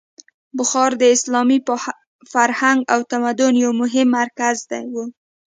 بخارا د اسلامي فرهنګ او تمدن یو مهم مرکز و.